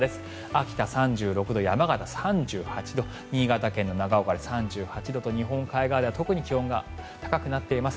秋田、３６度、山形、３８度新潟県の長岡で３８度と日本海側では特に気温が高くなっています。